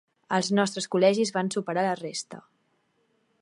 Els nostres col·legis van superar a la resta.